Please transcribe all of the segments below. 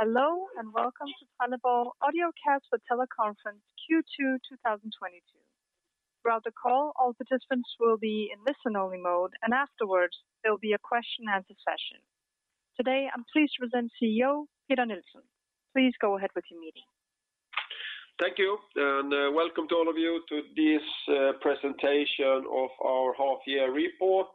Hello, and welcome to Trelleborg Audiocast for Teleconference Q2 2022. Throughout the call, all participants will be in listen only mode, and afterwards, there'll be a question and answer session. Today, I'm pleased to present CEO, Peter Nilsson. Please go ahead with your meeting. Thank you, welcome to all of you to this presentation of our half year report.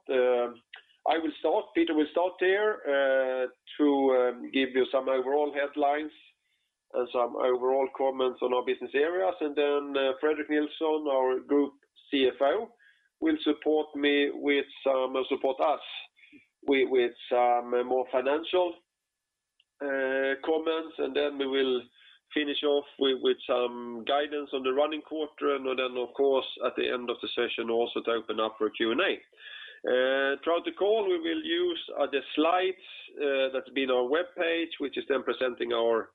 I will start, Peter will start here to give you some overall headlines and some overall comments on our business areas. Fredrik Nilsson, our group CFO, will support us with some more financial comments. Then we will finish off with some guidance on the running quarter. Then, of course, at the end of the session, we will open up for Q&A. Throughout the call, we will use the slides that have been on our webpage, which is then presenting our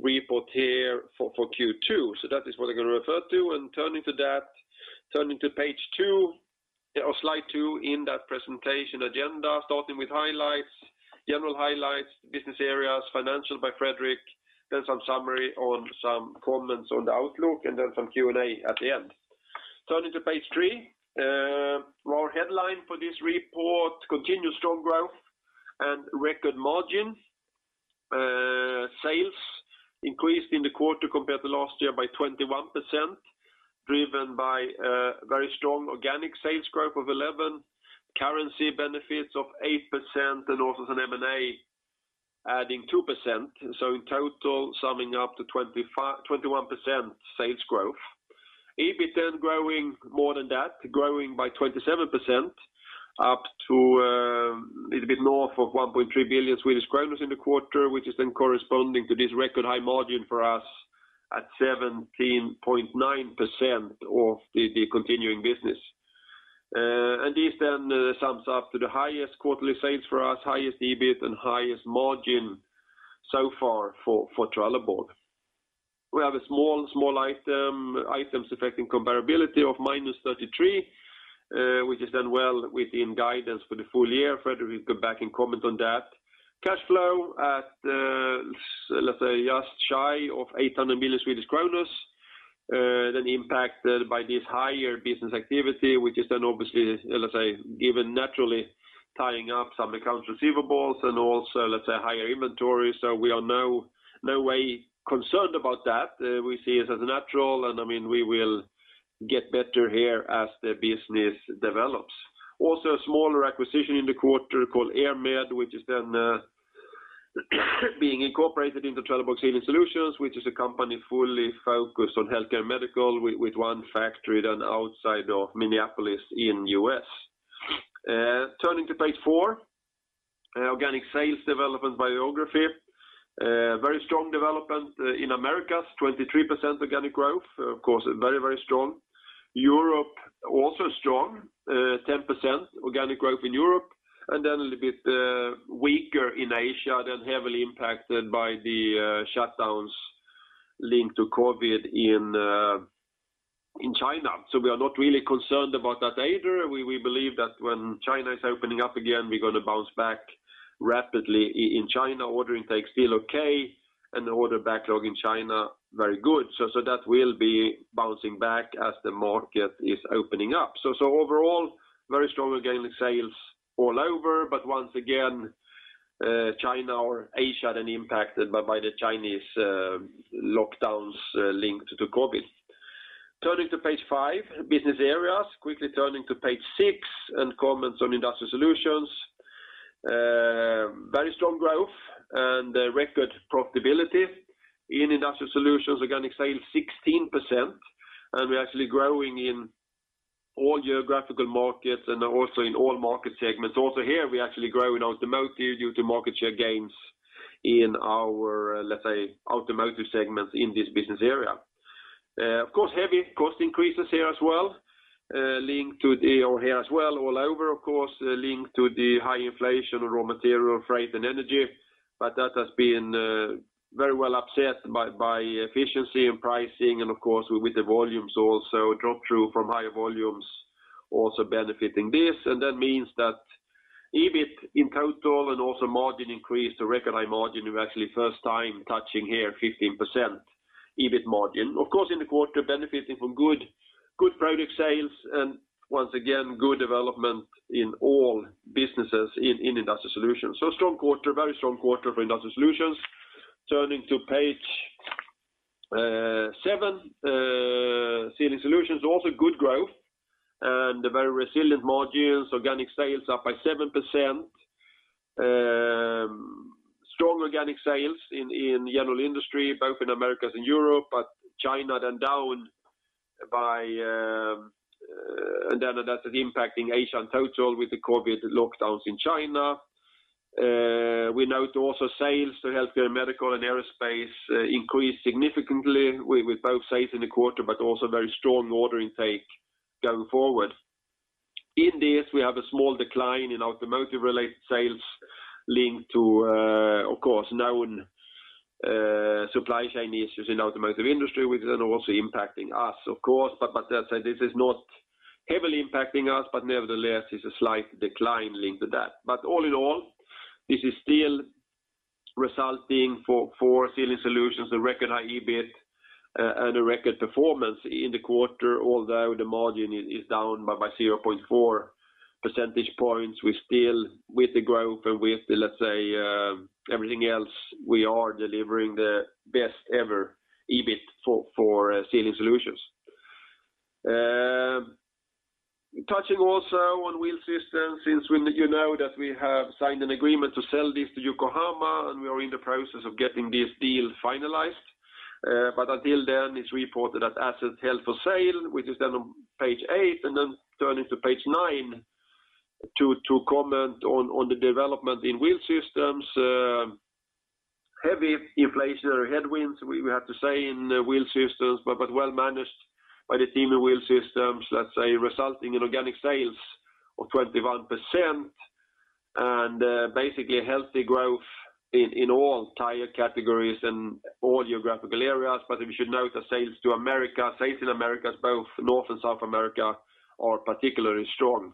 report here for Q2. That is what I'm gonna refer to. Turning to page 2 or slide 2 in that presentation agenda, starting with highlights, general highlights, business areas, financial by Fredrik, then some summary on some comments on the outlook, and then some Q&A at the end. Turning to page 3, our headline for this report, continued strong growth and record margin. Sales increased in the quarter compared to last year by 21%, driven by very strong organic sales growth of 11%, currency benefits of 8%, and also some M&A adding 2%. In total, summing up to 21% sales growth. EBIT growing more than that, growing by 27% up to a little bit north of 1.3 billion in the quarter, which is corresponding to this record high margin for us at 17.9% of the continuing business. This sums up to the highest quarterly sales for us, highest EBIT, and highest margin so far for Trelleborg. We have small items affecting comparability of -33 million, which is well within guidance for the full year. Fredrik will go back and comment on that. Cash flow at, let's say just shy of 800 million, then impacted by this higher business activity, which is obviously, let's say, given naturally tying up some accounts receivables and also, let's say, higher inventory. We are no way concerned about that. We see it as natural, and I mean, we will get better here as the business develops. Also a smaller acquisition in the quarter called EirMed, which is then being incorporated into Trelleborg Sealing Solutions, which is a company fully focused on healthcare medical with one factory then outside of Minneapolis in U.S. Turning to page 4, organic sales development by geography. Very strong development in Americas, 23% organic growth. Of course, very, very strong. Europe, also strong, 10% organic growth in Europe. Then a little bit weaker in Asia, then heavily impacted by the shutdowns linked to COVID in China. We are not really concerned about that either. We believe that when China is opening up again, we're gonna bounce back rapidly in China. Order intake still okay, and the order backlog in China very good. That will be bouncing back as the market is opening up. Overall, very strong organic sales all over. Once again, China or Asia then impacted by the Chinese lockdowns linked to COVID. Turning to page five, business areas. Quickly turning to page six and comments on Industrial Solutions. Very strong growth and record profitability. In Industrial Solutions, organic sales 16%, and we're actually growing in all geographical markets and also in all market segments. Also here, we're actually growing in automotive due to market share gains in our, let's say, automotive segments in this business area. Of course, heavy cost increases here as well, linked to the. Here as well, all over, of course, linked to the high inflation of raw material, freight, and energy. That has been very well offset by efficiency and pricing, and of course, with the volumes also, flow-through from higher volumes also benefiting this. That means that EBIT in total and also margin increase to record high margin. We're actually first time touching here 15% EBIT margin. Of course, in the quarter, benefiting from good product sales and once again, good development in all businesses in Industrial Solutions. Strong quarter, very strong quarter for Industrial Solutions. Turning to page 7, Sealing Solutions, also good growth and a very resilient margins. Organic sales up by 7%. Strong organic sales in general industry, both in Americas and Europe, but China then down by... That is impacting Asia in total with the COVID lockdowns in China. We note also sales to healthcare, medical, and aerospace increased significantly with both sales in the quarter, but also very strong order intake going forward. In this, we have a small decline in automotive-related sales linked to, of course, now a supply chain issues in automotive industry, which then also impacting us, of course, but let's say this is not heavily impacting us, but nevertheless, it's a slight decline linked to that. But all in all, this is still resulting for Sealing Solutions, a record high EBIT, and a record performance in the quarter, although the margin is down by 0.4 percentage points. We still, with the growth and with, let's say, everything else, we are delivering the best ever EBIT for Sealing Solutions. Touching also on Wheel Systems, since you know that we have signed an agreement to sell this to Yokohama, and we are in the process of getting this deal finalized. But until then, it's reported that assets held for sale, which is then on page 8, and then turning to page 9 to comment on the development in Wheel Systems. Heavy inflation or headwinds, we have to say in Wheel Systems, but well-managed by the team in Wheel Systems, let's say, resulting in organic sales of 21%. Basically a healthy growth in all tire categories and all geographical areas. We should note that sales to America, sales in Americas, both North and South America, are particularly strong.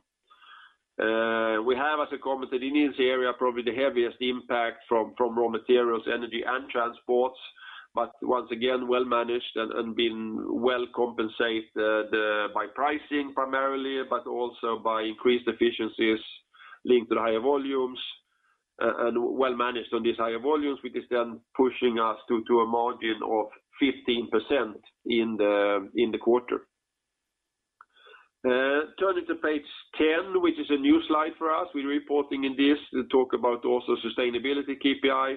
We have, as I commented, in this area, probably the heaviest impact from raw materials, energy and transports, but once again, well-managed and been well compensated by pricing primarily, but also by increased efficiencies linked to the higher volumes, and well-managed on these higher volumes, which is then pushing us to a margin of 15% in the quarter. Turning to page 10, which is a new slide for us. We're reporting this to talk about also sustainability KPIs,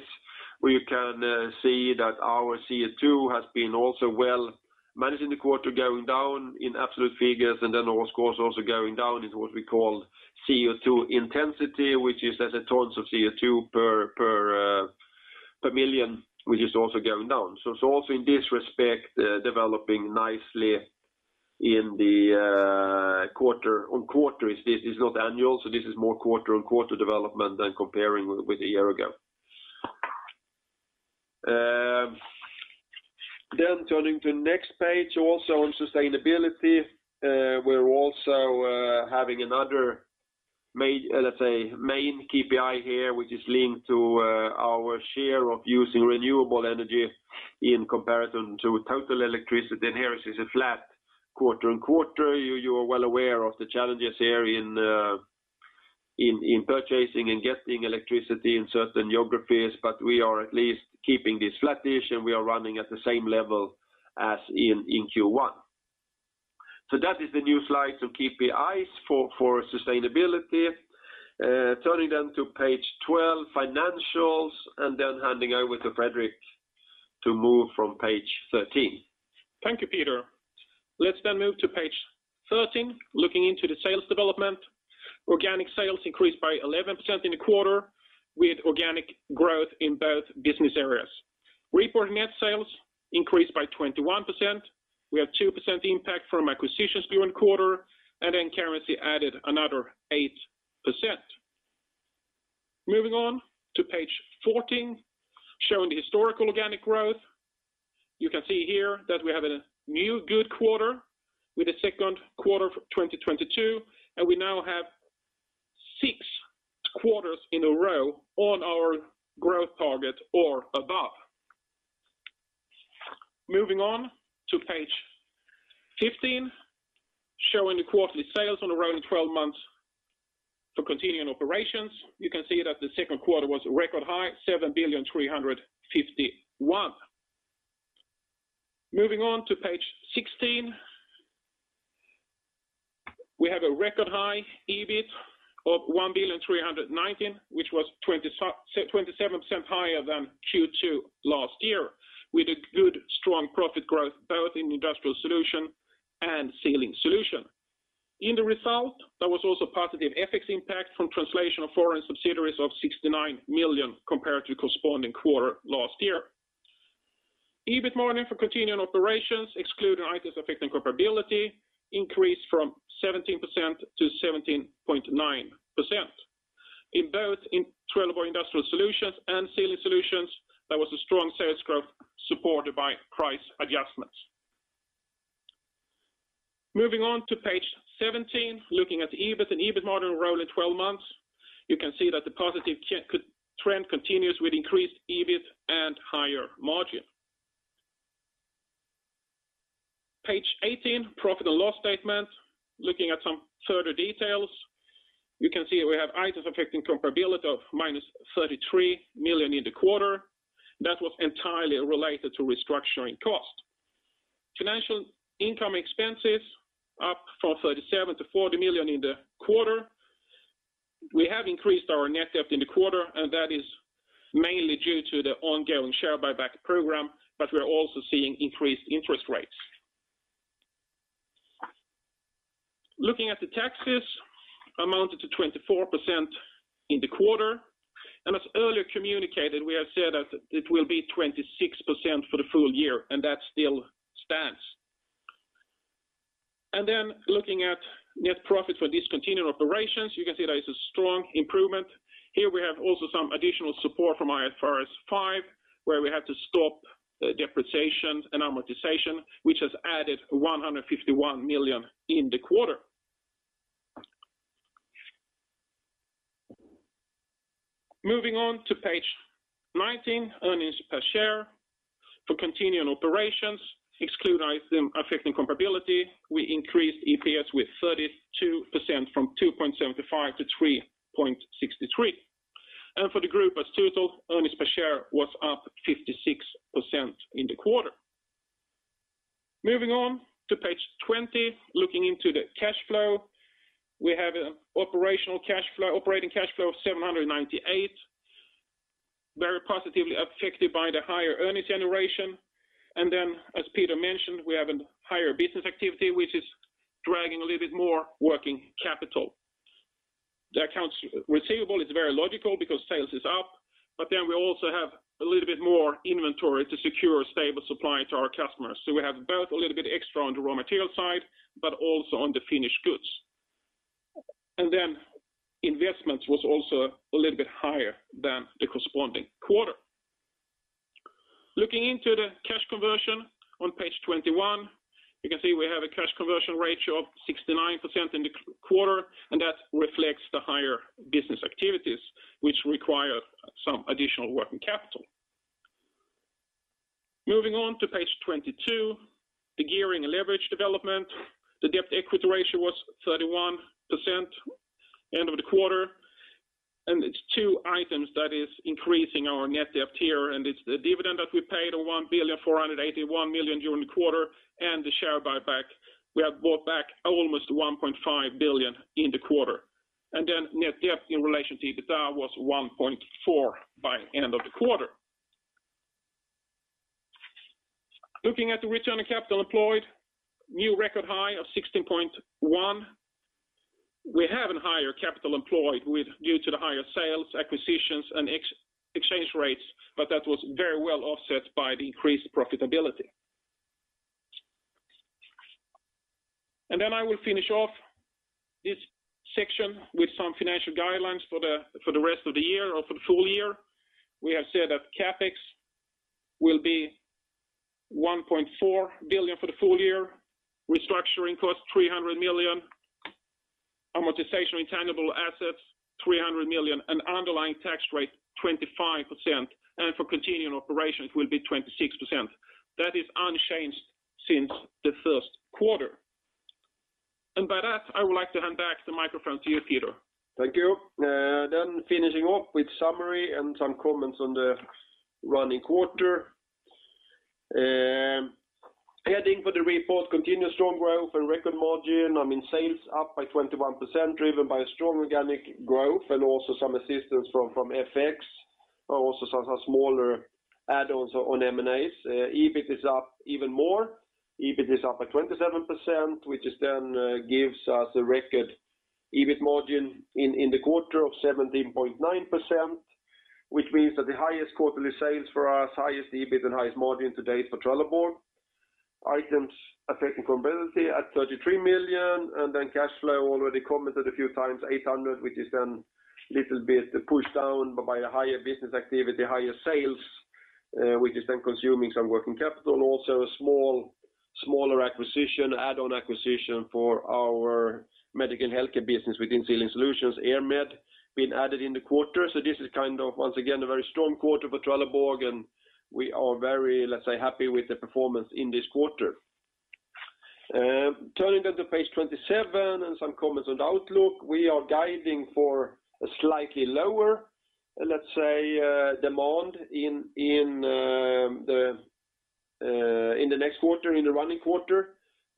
where you can see that our CO2 has been also well managed in the quarter, going down in absolute figures, and then of course, also going down in what we call CO2 intensity, which is the tons of CO2 per million, which is also going down. Also in this respect, developing nicely quarter-over-quarter. This is not annual, so this is more quarter-over-quarter development than comparing with a year ago. Turning to the next page, also on sustainability, we're also having another main KPI here, which is linked to our share of using renewable energy in comparison to total electricity. Here it is a flat quarter-over-quarter. You are well aware of the challenges here in purchasing and getting electricity in certain geographies, but we are at least keeping this flat-ish, and we are running at the same level as in Q1. That is the new slide to KPIs for sustainability. Turning to page 12, financials, and then handing over to Fredrik to move from page 13. Thank you, Peter. Let's then move to page 13, looking into the sales development. Organic sales increased by 11% in the quarter with organic growth in both business areas. Reported net sales increased by 21%. We have 2% impact from acquisitions Q1 quarter, and then currency added another 8%. Moving on to page 14, showing the historical organic growth. You can see here that we have a new good quarter with the second quarter of 2022, and we now have 6 quarters in a row on our growth target or above. Moving on to page 15, showing the quarterly sales on a rolling 12 months for continuing operations. You can see that the second quarter was a record high, 7.351 billion. Moving on to page 16. We have a record high EBIT of 1,319 million, which was 27% higher than Q2 last year, with a good strong profit growth both in Industrial Solutions and Sealing Solutions. In the result, there was also positive FX impact from translation of foreign subsidiaries of 69 million compared to corresponding quarter last year. EBIT margin for continuing operations, excluding items affecting comparability, increased from 17% to 17.9%. In both Trelleborg Industrial Solutions and Sealing Solutions, there was a strong sales growth supported by price adjustments. Moving on to page 17, looking at the EBIT and EBIT model rolling twelve months. You can see that the positive trend continues with increased EBIT and higher margin. Page 18, profit and loss statement. Looking at some further details, you can see we have items affecting comparability of -33 million in the quarter. That was entirely related to restructuring costs. Financial income expenses up from 37 million-40 million in the quarter. We have increased our net debt in the quarter, and that is mainly due to the ongoing share buyback program, but we're also seeing increased interest rates. Looking at the taxes amounted to 24% in the quarter. As earlier communicated, we have said that it will be 26% for the full year, and that still stands. Looking at net profit for discontinued operations, you can see there is a strong improvement. Here we have also some additional support from IFRS 5, where we had to stop depreciation and amortization, which has added 151 million in the quarter. Moving on to page 19, earnings per share for continuing operations exclude item affecting comparability. We increased EPS with 32% from 2.75 to 3.63. For the group as total, earnings per share was up 56% in the quarter. Moving on to page 20, looking into the cash flow, we have operating cash flow of 798, very positively affected by the higher earnings generation. As Peter mentioned, we have a higher business activity, which is dragging a little bit more working capital. The accounts receivable is very logical because sales is up, but then we also have a little bit more inventory to secure a stable supply to our customers. We have both a little bit extra on the raw material side, but also on the finished goods. Investments was also a little bit higher than the corresponding quarter. Looking into the cash conversion on page 21, you can see we have a cash conversion ratio of 69% in the quarter, and that reflects the higher business activities, which require some additional working capital. Moving on to page 22, the gearing and leverage development, the debt to equity ratio was 31% end of the quarter. It's two items that is increasing our net debt here, and it's the dividend that we paid of 1.481 billion during the quarter, and the share buyback. We have bought back almost 1.5 billion in the quarter. Net debt in relation to EBITDA was 1.4 by end of the quarter. Looking at the return on capital employed, new record high of 16.1%. We have a higher capital employed due to the higher sales, acquisitions, and FX exchange rates, but that was very well offset by the increased profitability. Then I will finish off this section with some financial guidelines for the rest of the year or for the full year. We have said that CapEx will be 1.4 billion for the full year, restructuring cost 300 million, amortization intangible assets 300 million, and underlying tax rate 25%, and for continuing operations will be 26%. That is unchanged since the first quarter. By that, I would like to hand back the microphone to you, Peter. Thank you. Finishing off with summary and some comments on the running quarter. Heading for the report, continued strong growth and record margin. I mean, sales up by 21%, driven by strong organic growth and also some assistance from FX, also some smaller add-ons on M&As. EBIT is up even more. EBIT is up by 27%, which then gives us a record EBIT margin in the quarter of 17.9%, which means that the highest quarterly sales for us, highest EBIT, and highest margin to date for Trelleborg. Items affecting comparability at 33 million, and then cash flow already commented a few times, 800 million, which is then little bit pushed down by a higher business activity, higher sales, which is then consuming some working capital. A smaller acquisition, add-on acquisition for our medical and healthcare business within Sealing Solutions, EirMed being added in the quarter. This is kind of, once again, a very strong quarter for Trelleborg, and we are very, let's say, happy with the performance in this quarter. Turning to page 27 and some comments on the outlook. We are guiding for a slightly lower, let's say, demand in the next quarter, in the running quarter.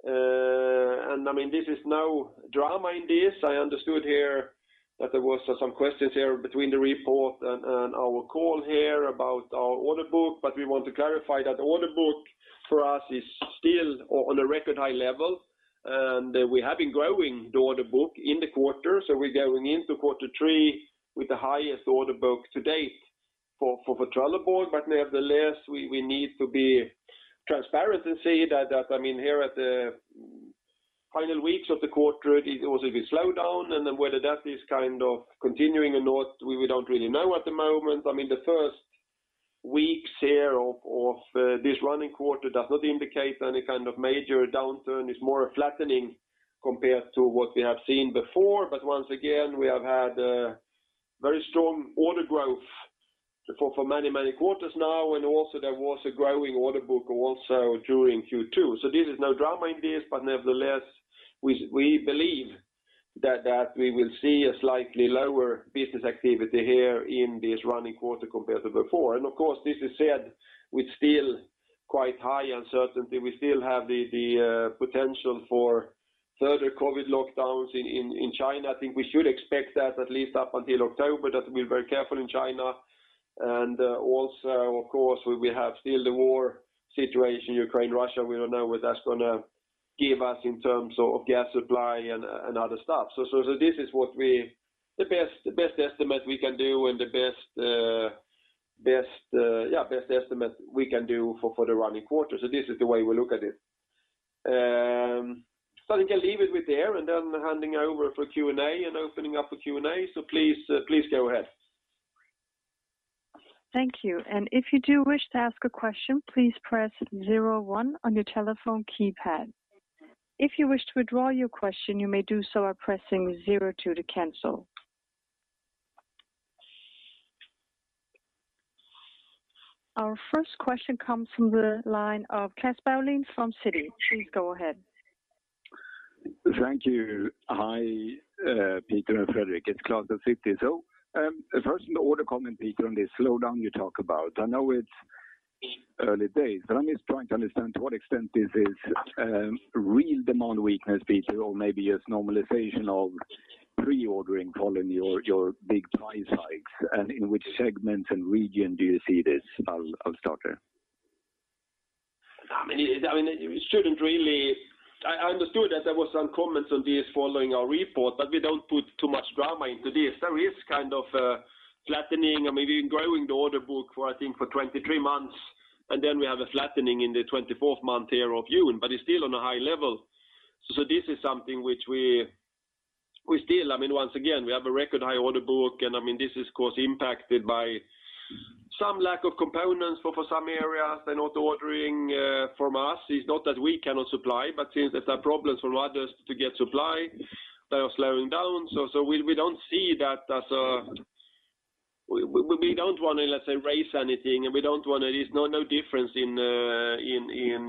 I mean, this is no drama in this. I understood here that there was some questions here between the report and our call here about our order book, but we want to clarify that the order book for us is still on a record high level. We have been growing the order book in the quarter, so we're going into quarter three with the highest order book to date for Trelleborg. Nevertheless, we need to be transparent and say that, I mean, here at the final weeks of the quarter, it was a bit slowdown. Whether that is kind of continuing or not, we don't really know at the moment. I mean, the first weeks here of this running quarter does not indicate any kind of major downturn. It's more a flattening compared to what we have seen before. Once again, we have had very strong order growth for many quarters now. Also there was a growing order book also during Q2. This is no drama in this, but nevertheless, we believe that we will see a slightly lower business activity here in this running quarter compared to before. This is said with still quite high uncertainty. We still have the potential for further COVID lockdowns in China. I think we should expect that at least up until October, that we're very careful in China. Also of course, we have still the war situation, Ukraine, Russia. We don't know what that's gonna give us in terms of gas supply and other stuff. This is the best estimate we can do and the best estimate we can do for the running quarter. This is the way we look at it. I think I'll leave it with there, and then handing over for Q&A and opening up for Q&A. Please go ahead. Thank you. If you do wish to ask a question, please press zero one on your telephone keypad. If you wish to withdraw your question, you may do so by pressing zero two to cancel. Our first question comes from the line of Klas H. Bergelind from Citi. Please go ahead. Thank you. Hi, Peter and Fredrik. It's Klas at Citi. First an order comment, Peter, on this slowdown you talk about. I know it's early days, but I'm just trying to understand to what extent this is real demand weakness, Peter, or maybe just normalization of pre-ordering following your big price hikes, and in which segment and region do you see this? I'll start there. I mean, it shouldn't really. I understood that there was some comments on this following our report, but we don't put too much drama into this. There is kind of a flattening and maybe growing the order book for, I think, 23 months, and then we have a flattening in the 24th month here of June, but it's still on a high level. So this is something which we still. I mean, once again, we have a record high order book, and, I mean, this is of course impacted by some lack of components for some areas. They're not ordering from us. It's not that we cannot supply, but since there's a problem for others to get supply, they are slowing down. So we don't see that as a. We don't want to, let's say, raise anything, and we don't want to. There's no difference in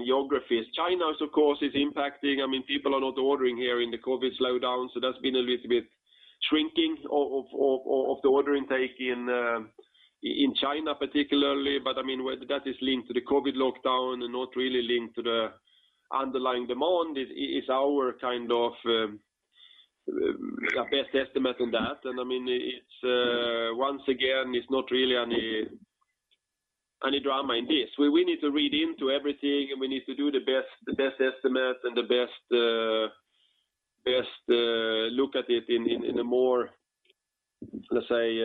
geographies. China, of course, is impacting. I mean, people are not ordering here in the COVID slowdown, so that's been a little bit shrinking of the order intake in China particularly. But, I mean, that is linked to the COVID lockdown and not really linked to the underlying demand. It's our kind of best estimate on that. And I mean, it's once again, it's not really any drama in this. We need to read into everything, and we need to do the best estimate and the best look at it in a more, let's say,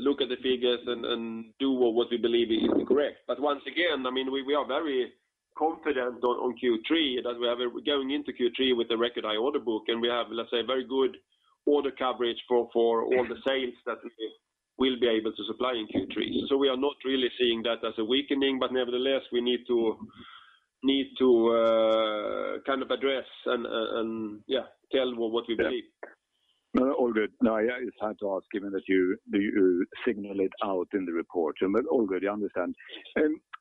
look at the figures and do what we believe is correct. Once again, I mean, we are very confident on Q3 that we are going into Q3 with a record high order book, and we have, let's say, very good order coverage for all the sales that we will be able to supply in Q3. We are not really seeing that as a weakening, but nevertheless, we need to kind of address and, yeah, tell what we believe. No, all good. No, I just had to ask given that you single it out in the report. All good, I understand.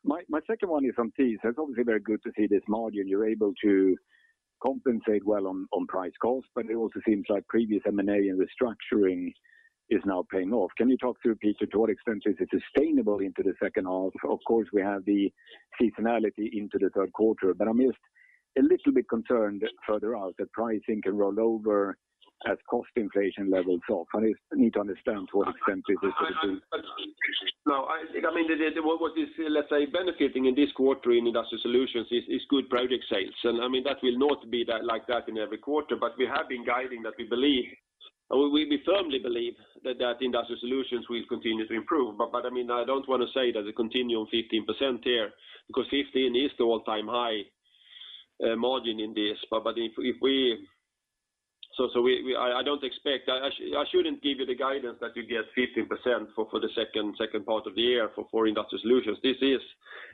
My second one is on TIS. That's obviously very good to see this margin. You're able to compensate well on price cost, but it also seems like previous M&A and restructuring is now paying off. Can you talk through, Peter, to what extent is it sustainable into the second half? Of course, we have the seasonality into the third quarter, but I'm just a little bit concerned further out that pricing can roll over as cost inflation levels off. I just need to understand to what extent is this going to be. No, I think, I mean, what is, let's say, benefiting in this quarter in Industrial Solutions is good project sales. I mean, that will not be like that in every quarter, but we have been guiding that we firmly believe that Industrial Solutions will continue to improve. I mean, I don't want to say that they continue on 15% here because 15 is the all-time high margin in this. I shouldn't give you the guidance that you get 15% for the second part of the year for Industrial Solutions. This is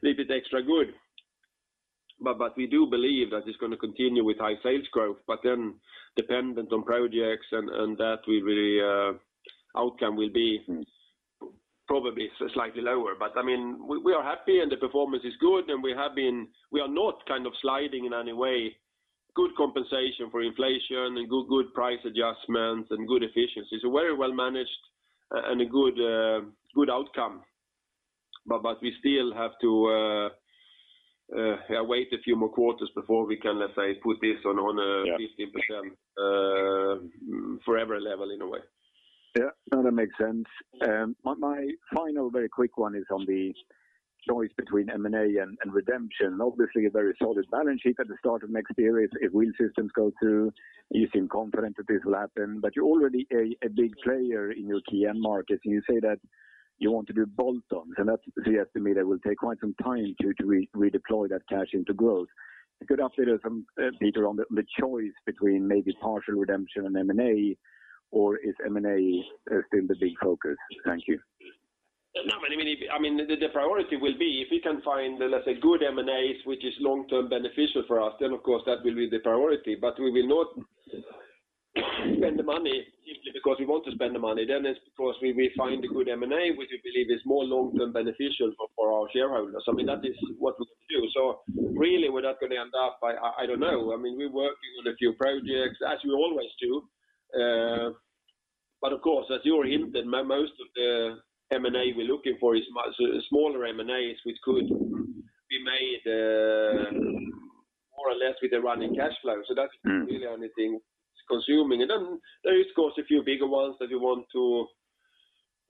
a little bit extra good. We do believe that it's going to continue with high sales growth, but then dependent on projects and that the outcome will be probably slightly lower. I mean, we are happy and the performance is good, and we are not kind of sliding in any way. Good compensation for inflation and good price adjustments and good efficiency. It's very well managed and a good outcome. We still have to wait a few more quarters before we can, let's say, put this on a- Yeah. -15%, forever level in a way. Yeah. No, that makes sense. My final very quick one is on the choice between M&A and redemption. Obviously, a very solid balance sheet at the start of next year if Wheel Systems go through. You seem confident that this will happen, but you're already a big player in your key end markets, and you say that you want to do bolt-ons, and that's the estimate that will take quite some time to redeploy that cash into growth. A good update from Peter on the choice between maybe partial redemption and M&A, or is M&A still the big focus? Thank you. No, I mean, the priority will be if we can find, let's say, good M&As which is long-term beneficial for us, then of course that will be the priority. We will not spend the money simply because we want to spend the money. It's because we find a good M&A which we believe is more long-term beneficial for our shareholders. I mean, that is what we do. Really, we're not going to end up. I don't know. I mean, we're working on a few projects as we always do. But of course, as you were hinting, most of the M&A we're looking for is much smaller M&As which could be made more or less with the running cash flow. That's really only thing it's consuming. Then there is of course a few bigger ones that we want to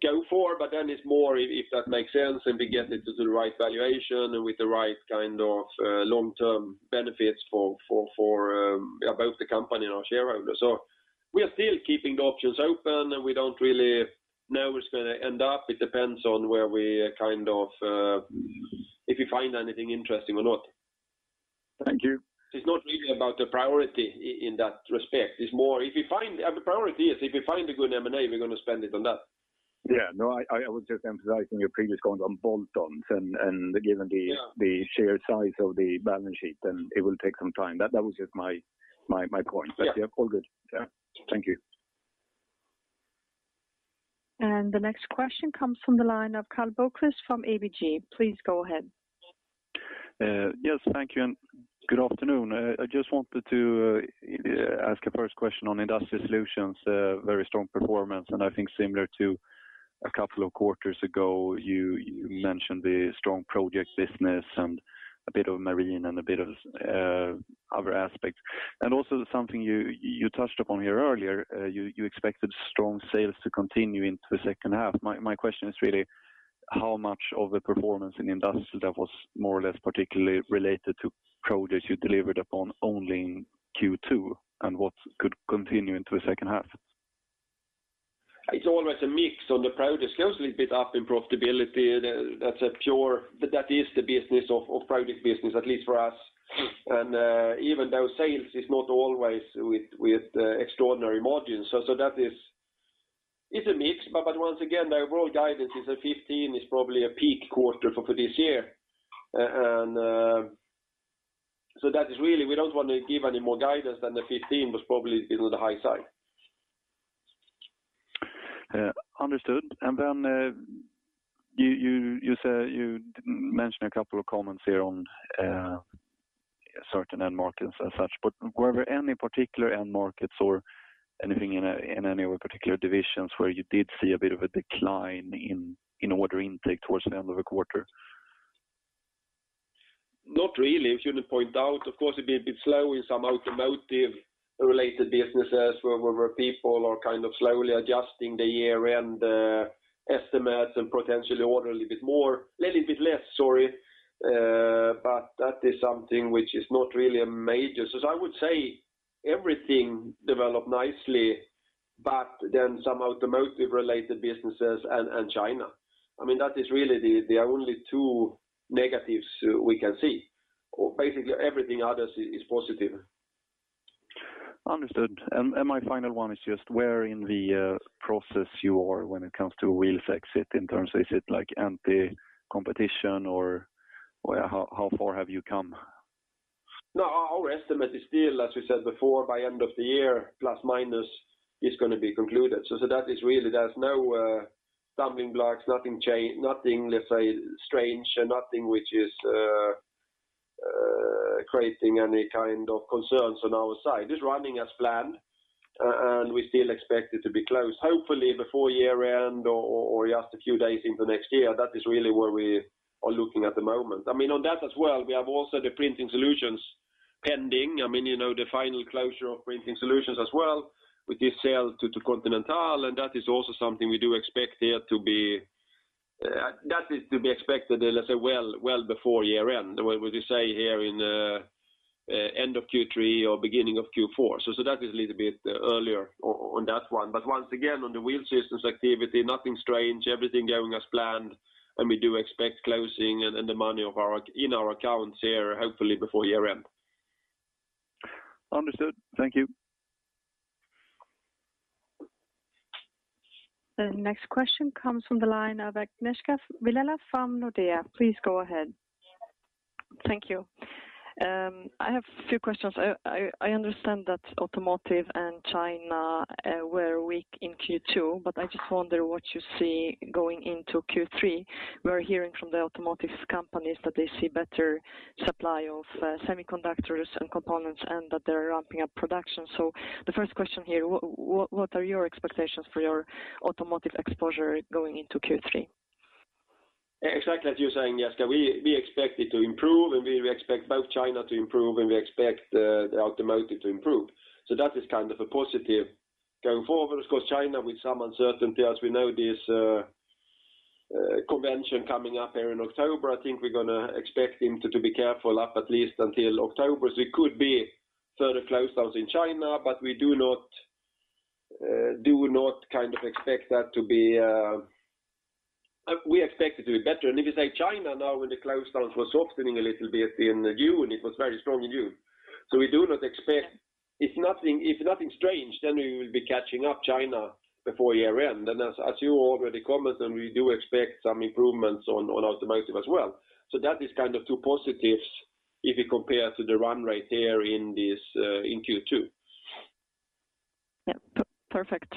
go for, but then it's more if that makes sense, and we get it to the right valuation and with the right kind of long-term benefits for both the company and our shareholders. We are still keeping the options open, and we don't really know where it's going to end up. It depends on where we kind of if we find anything interesting or not. Thank you. It's not really about the priority in that respect. It's more the priority is if we find a good M&A, we're going to spend it on that. Yeah. No, I was just emphasizing your previous comment on bolt-ons and given the Yeah. The sheer size of the balance sheet, then it will take some time. That was just my point. Yeah. Yeah, all good. Yeah. Thank you. The next question comes from the line of Karl Bokvist from ABG. Please go ahead. Yes. Thank you, and good afternoon. I just wanted to ask a first question on Industrial Solutions, very strong performance. I think similar to a couple of quarters ago, you mentioned the strong project business and a bit of marine and a bit of other aspects. Also something you touched upon here earlier, you expected strong sales to continue into the second half. My question is really how much of the performance in Industrial that was more or less particularly related to projects you delivered upon only in Q2, and what could continue into the second half? It's always a mix on the projects. It goes a little bit up in profitability. That's the business of project business, at least for us. Even though sales is not always with extraordinary margins. That is, it's a mix. Once again, the overall guidance is that 15% is probably a peak quarter for this year. That is really we don't want to give any more guidance than the 15% was probably a little the high side. Understood. You said you mentioned a couple of comments here on certain end markets as such, but were there any particular end markets or anything in any of our particular divisions where you did see a bit of a decline in order intake towards the end of the quarter? Not really. If you point out, of course, it'd be a bit slow in some automotive related businesses where people are kind of slowly adjusting the year-end estimates and potentially order a little bit more, a little bit less, sorry. That is something which is not really a major. I would say everything developed nicely. Some automotive related businesses and China, I mean, that is really the only two negatives we can see, or basically everything else is positive. Understood. My final one is just where in the process you are when it comes to Wheel Systems exit. How far have you come? No, our estimate is still, as we said before, by end of the year, plus minus is going to be concluded. That is really there is no stumbling blocks, nothing, let's say strange, nothing which is creating any kind of concerns on our side. It is running as planned, and we still expect it to be closed hopefully before year-end or just a few days into next year. That is really where we are looking at the moment. I mean, on that as well, we have also the Printing Solutions pending. I mean, you know, the final closure of Printing Solutions as well with the sale to Continental. That is also something we do expect there to be, that is to be expected, let's say well before year-end. Would you say here in end of Q3 or beginning of Q4? That is a little bit earlier on that one. Once again, on the Wheel Systems activity, nothing strange, everything going as planned. We do expect closing and the money in our accounts here hopefully before year-end. Understood. Thank you. The next question comes from the line of Agnieszka Vilela from Nordea. Please go ahead. Thank you. I have a few questions. I understand that automotive and China were weak in Q2, but I just wonder what you see going into Q3. We're hearing from the automotive companies that they see better supply of semiconductors and components and that they're ramping up production. The first question here, what are your expectations for your automotive exposure going into Q3? Exactly as you're saying, Agnieszka, we expect it to improve, and we expect both China to improve, and we expect the automotive to improve. That is kind of a positive going forward. Of course, China with some uncertainty as we know this convention coming up here in October. I think we're gonna expect them to be careful at least until October. There could be further lockdowns in China, but we do not kind of expect that to be. We expect it to be better. If you say China now when the lockdown was softening a little bit in June, it was very strong in June. We do not expect. If nothing strange, then we will be catching up in China before year-end. As you already commented, we do expect some improvements on automotive as well. That is kind of two positives if you compare to the run rate here in this Q2. Yeah. Perfect.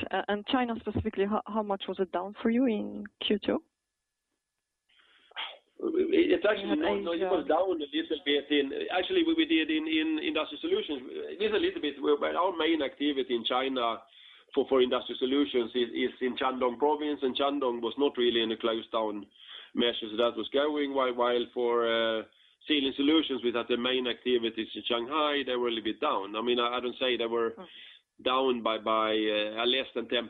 China specifically, how much was it down for you in Q2? It was down a little bit. Actually, we did in Industrial Solutions. It is a little bit where our main activity in China for Industrial Solutions is in Shandong Province, and Shandong was not really in lockdown measures that was going. While for Sealing Solutions with the main activities in Shanghai, they were a little bit down. I mean, I don't say they were down by less than 10%.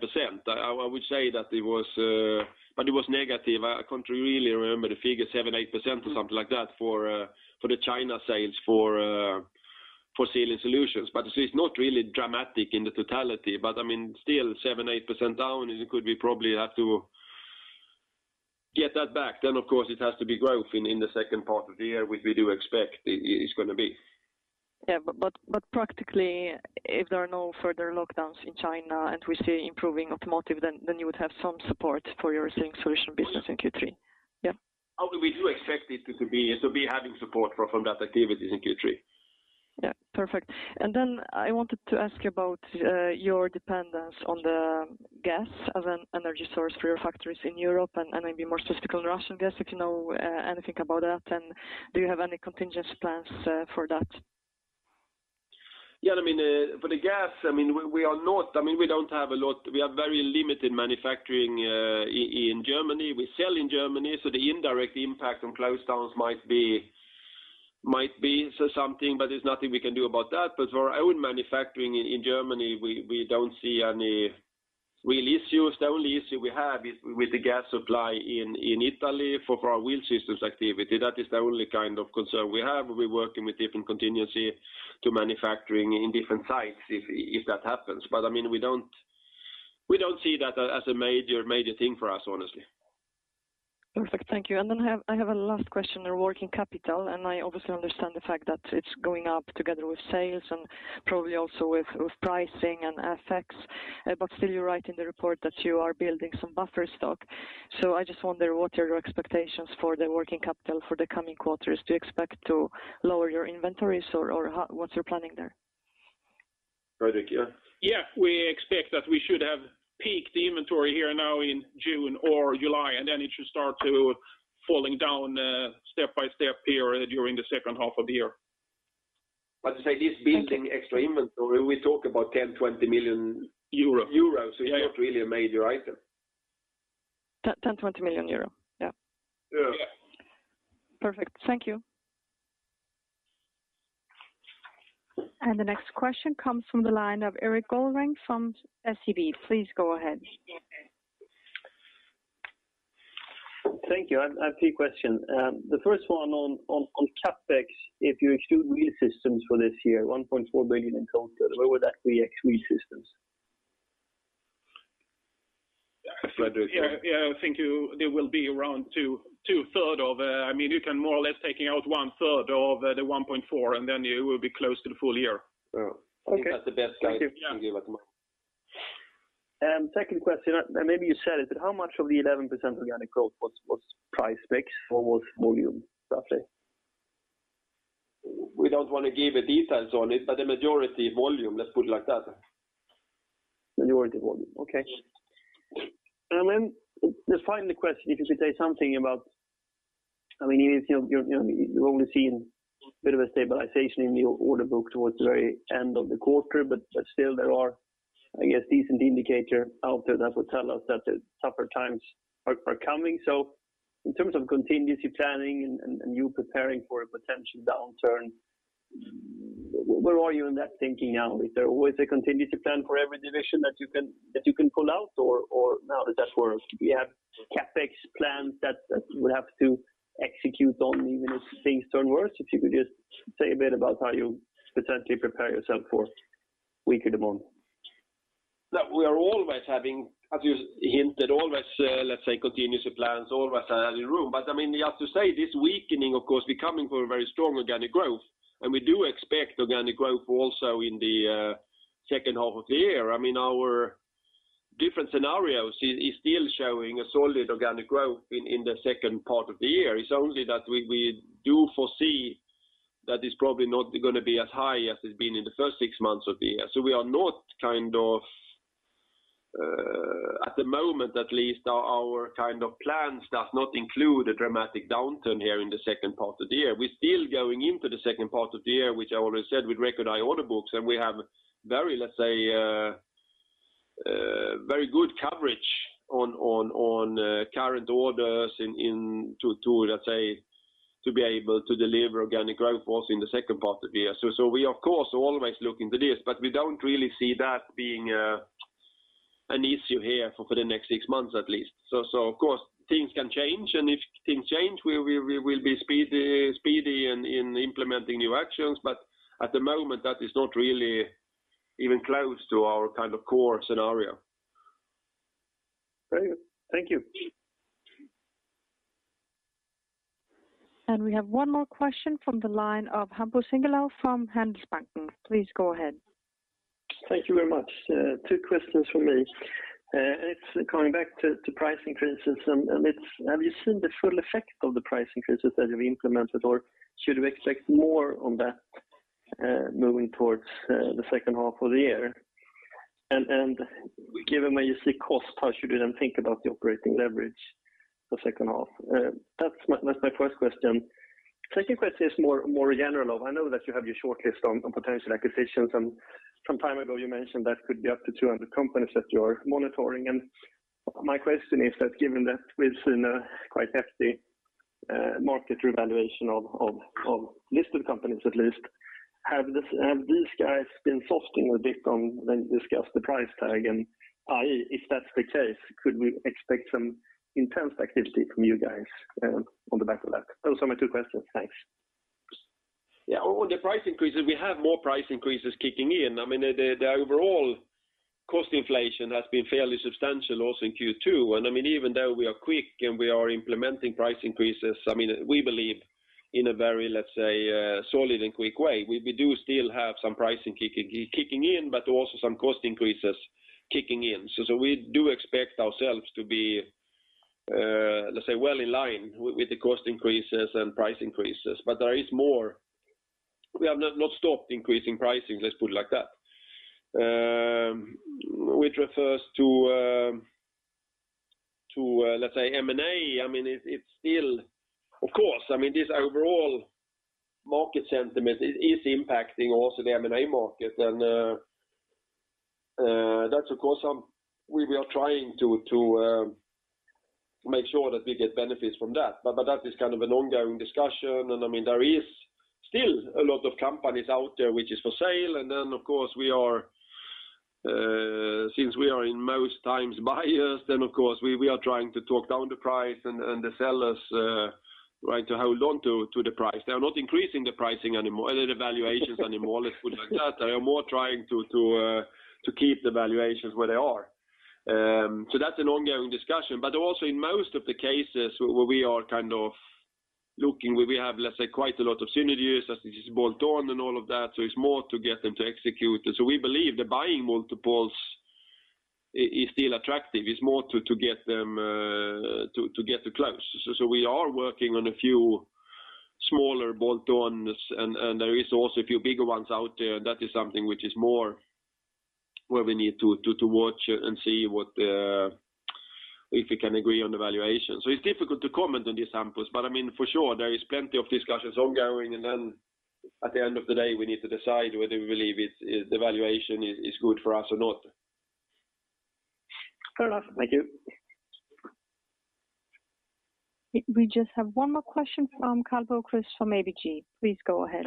I would say that it was. It was negative. I can't really remember the figure, 7 or 8% or something like that for the China sales for Sealing Solutions. It's not really dramatic in the totality. I mean, still 7 or 8% down, it could be probably have to get that back. Of course, it has to be growth in the second part of the year, which we do expect it's gonna be. Practically, if there are no further lockdowns in China and we see improving automotive, then you would have some support for your Sealing Solutions business in Q3. Yeah. How do we expect it to be having support from those activities in Q3? Yeah. Perfect. I wanted to ask you about your dependence on the gas as an energy source for your factories in Europe and maybe more specifically on Russian gas, if you know anything about that. Do you have any contingency plans for that? Yeah. I mean, for the gas, I mean, we are not. I mean, we don't have a lot. We have very limited manufacturing in Germany. We sell in Germany, so the indirect impact on shutdowns might be something, but there's nothing we can do about that. For our own manufacturing in Germany, we don't see any real issues. The only issue we have is with the gas supply in Italy for our wheel systems activity. That is the only kind of concern we have. We're working with different contingencies for manufacturing in different sites if that happens. I mean, we don't see that as a major thing for us, honestly. Perfect. Thank you. I have a last question on working capital, and I obviously understand the fact that it's going up together with sales and probably also with pricing and FX. But still you write in the report that you are building some buffer stock. I just wonder what are your expectations for the working capital for the coming quarters? Do you expect to lower your inventories or how? What's your planning there? Fredrik, yeah? Yeah. We expect that we should have peaked inventory here now in June or July, and then it should start to falling down, step by step here during the second half of the year. To say this building extra inventory, we talk about 10 million-20 million euros. Euro. Euro. Yeah. It's not really a major item. 10 million-20 million euro. Yeah. Yeah. Perfect. Thank you. The next question comes from the line of Erik Golrang from SEB. Please go ahead. Thank you. I've two questions. The first one on CapEx, if you exclude wheel systems for this year, 1.4 billion in total, where would that be ex wheel systems? That's for Fredrik. Yeah. I think it will be around two-thirds of. I mean, you can more or less taking out one-third of the 1.4, and then you will be close to the full year. Oh. Okay. I think that's the best guide we can give at the moment. Second question, and maybe you said it, but how much of the 11% organic growth was price mix or was volume, roughly? We don't want to give the details on it, but the majority volume, let's put it like that. Majority volume. Okay. Then the final question, if you could say something about I mean, you know, you're, you know, you've only seen a bit of a stabilization in your order book towards the very end of the quarter, but still there are, I guess, decent indicator out there that would tell us that the tougher times are coming. In terms of contingency planning and you preparing for a potential downturn, where are you in that thinking now? Is there always a contingency plan for every division that you can pull out, or how does that work? Do you have CapEx plans that you would have to execute on even if things turn worse? If you could just say a bit about how you potentially prepare yourself for weaker demand. No. We are always having, as you hinted, always, let's say, contingency plans, always having room. I mean, you have to say this weakening, of course, we're coming from a very strong organic growth, and we do expect organic growth also in the second half of the year. I mean, our different scenarios is still showing a solid organic growth in the second part of the year. It's only that we do foresee that it's probably not gonna be as high as it's been in the first six months of the year. We are not kind of, at the moment, at least, our kind of plans does not include a dramatic downturn here in the second part of the year. We're still going into the second part of the year, which I already said, with record high order books, and we have very, let's say, very good coverage on current orders in to, let's say, to be able to deliver organic growth also in the second part of the year. We, of course, are always looking to this, but we don't really see that being an issue here for the next six months at least. Of course, things can change, and if things change, we will be speedy in implementing new actions. At the moment, that is not really even close to our kind of core scenario. Very good. Thank you. We have one more question from the line of Hampus Engellau from Handelsbanken. Please go ahead. Thank you very much. Two questions from me. It's coming back to price increases. Have you seen the full effect of the price increases that you've implemented, or should we expect more on that, moving towards the second half of the year? Given when you see cost, how should we then think about the operating leverage for second half? That's my first question. Second question is more general. I know that you have your shortlist on potential acquisitions, and some time ago you mentioned that could be up to 200 companies that you're monitoring. My question is that given that we've seen a quite hefty market revaluation of listed companies at least. Have these guys been softening a bit on when you discuss the price tag? If that's the case, could we expect some intense activity from you guys, on the back of that? Those are my two questions. Thanks. Yeah. On the price increases, we have more price increases kicking in. I mean, the overall cost inflation has been fairly substantial also in Q2. I mean, even though we are quick and we are implementing price increases, I mean, we believe in a very, let's say, solid and quick way. We do still have some pricing kicking in, but also some cost increases kicking in. We do expect ourselves to be, let's say, well in line with the cost increases and price increases. There is more. We have not stopped increasing pricing, let's put it like that. Which refers to, let's say M&A. I mean, it's still. Of course, I mean, this overall market sentiment is impacting also the M&A market. That's of course we are trying to make sure that we get benefits from that. That is kind of an ongoing discussion. I mean, there is still a lot of companies out there which is for sale. Of course, since we are in most times buyers, then of course we are trying to talk down the price and the sellers try to hold on to the price. They are not increasing the pricing anymore. They're not increasing the valuations anymore, let's put it like that. They are more trying to keep the valuations where they are. That's an ongoing discussion. also in most of the cases where we are kind of looking, where we have, let's say, quite a lot of synergies, as it is bolt-on and all of that, it's more to get them to execute. We believe the buying multiples is still attractive. It's more to get them to get the close. We are working on a few smaller bolt-ons and there is also a few bigger ones out there. That is something which is more where we need to watch and see what if we can agree on the valuation. It's difficult to comment on these samples, but I mean, for sure, there is plenty of discussions ongoing, and then at the end of the day, we need to decide whether we believe it's the valuation is good for us or not. Fair enough. Thank you. We just have one more question from Karl Bokvist from ABG. Please go ahead.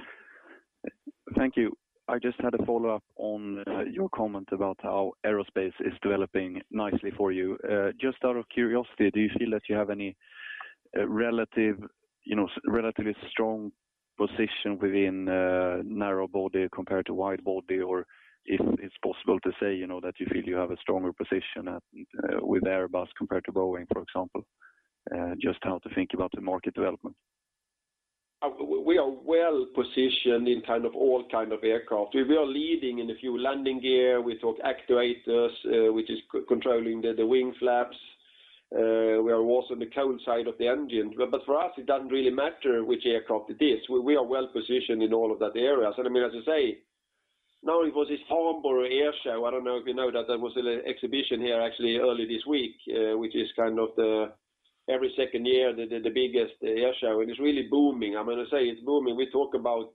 Thank you. I just had a follow-up on your comment about how aerospace is developing nicely for you. Just out of curiosity, do you feel that you have any relatively strong position within narrow body compared to wide body? Or if it's possible to say, you know, that you feel you have a stronger position with Airbus compared to Boeing, for example, just how to think about the market development. We are well-positioned in all kinds of aircraft. We are leading in a few landing gear. We do actuators, which is controlling the wing flaps. We are also on the cold side of the engine. But for us, it doesn't really matter which aircraft it is. We are well-positioned in all of those areas. I mean, as you say, now it was this Farnborough Airshow. I don't know if you know that there was an exhibition here actually early this week, which is kind of every second year, the biggest air show, and it's really booming. I'm gonna say it's booming. We talk about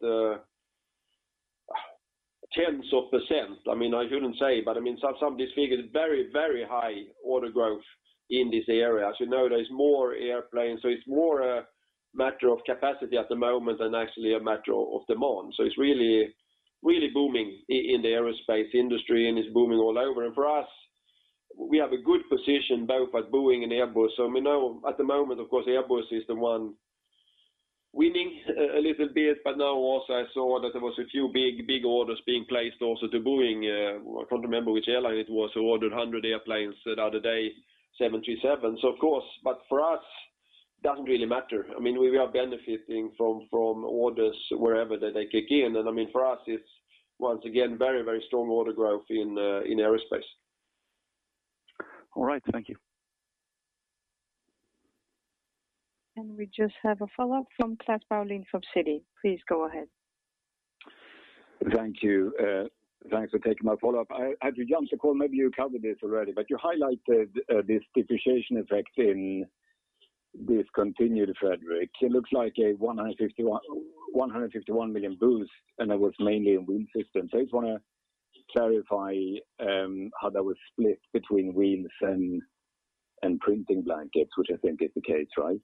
tens of %. I mean, I couldn't say, but I mean, some of these figures, very high order growth in this area. As you know, there's more airplanes, so it's more a matter of capacity at the moment than actually a matter of demand. It's really, really booming in the aerospace industry, and it's booming all over. For us, we have a good position both at Boeing and Airbus. We know at the moment, of course, Airbus is the one winning a little bit. Now also I saw that there was a few big, big orders being placed also to Boeing. I can't remember which airline it was who ordered 100 airplanes the other day, 777s. Of course, but for us, doesn't really matter. I mean, we are benefiting from orders wherever they kick in. I mean, for us, it's once again, very, very strong order growth in aerospace. All right. Thank you. We just have a follow-up from Klas H. Bergelind from Citi. Please go ahead. Thank you. Thanks for taking my follow-up. I had to jump the call. Maybe you covered this already, but you highlighted this depreciation effect in discontinued, Fredrik. It looks like a 151 million boost, and that was mainly in wheel systems. I just want to clarify how that was split between wheels and printing blankets, which I think is the case, right?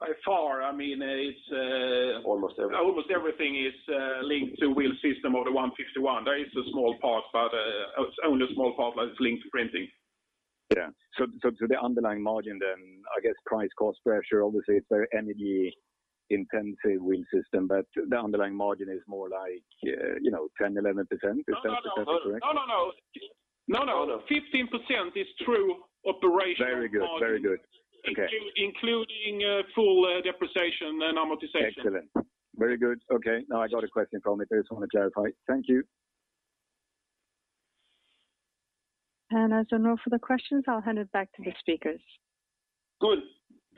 By far, I mean, it's. Almost everything. Almost everything is linked to Wheel Systems of the 151. There is a small part, but only a small part that is linked to Printing Solutions. The underlying margin then, I guess price cost pressure, obviously, it's very energy-intensive wheel system, but the underlying margin is more like, you know, 10%-11%. Is that correct? No, no. 15% is true operational margin. Very good. Okay. Including full depreciation and amortization. Excellent. Very good. Okay. No, I got a question from it. I just want to clarify. Thank you. As there are no further questions, I'll hand it back to the speakers. Good.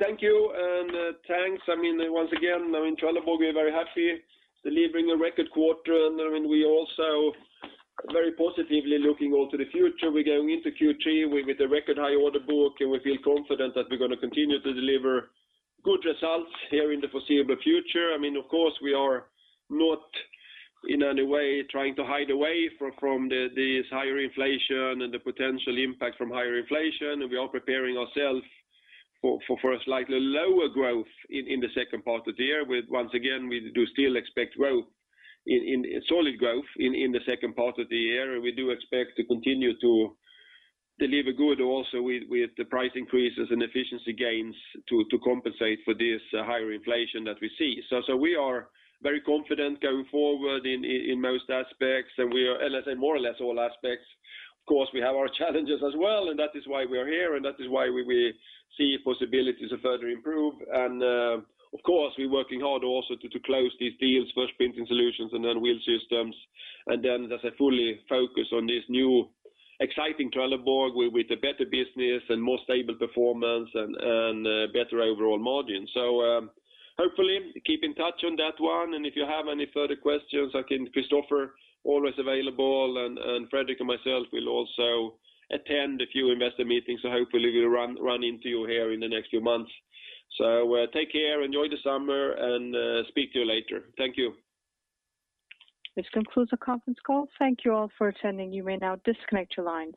Thank you, and, thanks. I mean, once again, now in Trelleborg, we're very happy delivering a record quarter. I mean, we also very positively looking all to the future. We're going into Q3 with a record high order book, and we feel confident that we're gonna continue to deliver good results here in the foreseeable future. I mean, of course, we are not in any way trying to hide away from this higher inflation and the potential impact from higher inflation. We are preparing ourselves for a slightly lower growth in the second part of the year. Once again, we do still expect solid growth in the second part of the year. We do expect to continue to deliver good also with the price increases and efficiency gains to compensate for this higher inflation that we see. We are very confident going forward in most aspects, and we are, let's say, more or less all aspects. Of course, we have our challenges as well, and that is why we are here, and that is why we see possibilities to further improve. Of course, we're working hard also to close these deals, first Printing Solutions and then Wheel Systems. As I fully focus on this new exciting Trelleborg with a better business and more stable performance and better overall margin. Hopefully, keep in touch on that one. If you have any further questions, again, Christofer, always available, and Fredrik and myself will also attend a few investor meetings. Hopefully, we'll run into you here in the next few months. Take care, enjoy the summer, and speak to you later. Thank you. This concludes the conference call. Thank you all for attending. You may now disconnect your lines.